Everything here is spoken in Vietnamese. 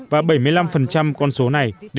và bảy mươi năm con số này